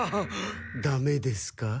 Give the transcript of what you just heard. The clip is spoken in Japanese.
ダメですか？